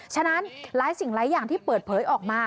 ฉะนั้นหลายสิ่งหลายอย่างที่เปิดเผยออกมา